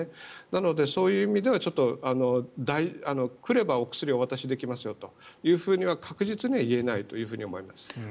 なので、そういう意味では来ればお薬をお渡しできますよとは確実には言えないと思います。